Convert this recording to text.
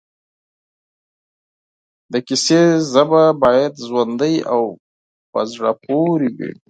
د کیسې ژبه باید ژوندۍ او پر زړه پورې وي